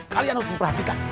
kalian harus memperhatikan